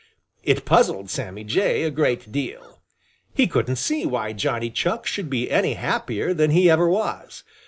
It puzzled Sammy Jay a great deal. He couldn't see why Johnny Chuck should be any happier than he ever was.